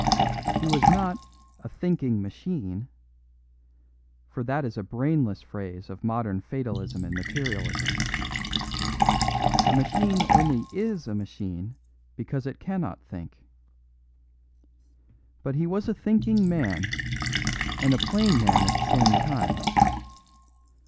He was not "a thinking machine"; for that is a brainless phrase of modern fatalism and materialism. A machine only is a machine because it cannot think. But he was a thinking man, and a plain man at the same time.